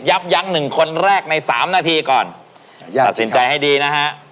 ยับยั้ง๑คนแรกใน๓นาทีก่อนตัดสินใจให้ดีนะฮะ